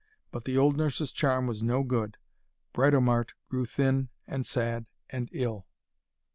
But the old nurse's charm was no good. Britomart grew thin and sad and ill.